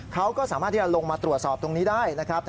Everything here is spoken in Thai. เขาก็สามารถที่จะลงมาตรวจสอบตรงนี้ได้นะครับ